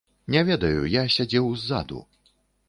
Не ведаю, я сядзеў ззаду.